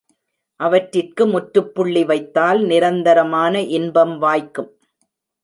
அவற்றிற்கு முற்றுப்புள்ளி வைத்தால் நிரந்தரமான இன்பம் வாய்க்கும்.